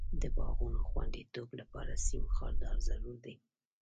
د باغونو خوندیتوب لپاره سیم خاردار ضرور دی.